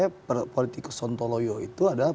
kalau perspektif saya politikus sontoloyo itu adalah